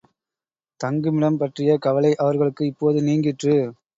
தங்குமிடம் பற்றிய கவலை அவர்களுக்கு இப்போது நீங்கிற்று.